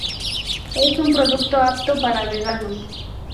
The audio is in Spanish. Es un producto apto para veganos.